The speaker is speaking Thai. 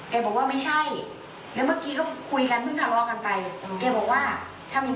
แกบอกว่าทำอย่างนี้เพราะอะไร